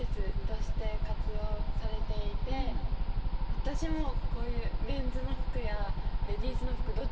私もこういうメンズの服やレディースの服どっちも着